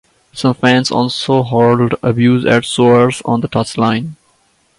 Some fans also hurled abuse at Soares on the touchline.